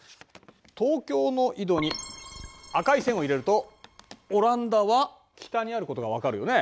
東京の緯度に赤い線を入れるとオランダは北にあることが分かるよね。